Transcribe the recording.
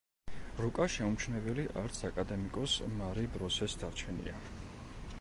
რუკა შეუმჩნეველი არც აკადემიკოს მარი ბროსეს დარჩენია.